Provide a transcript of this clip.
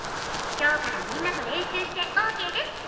今日からみんなと練習してＯＫです！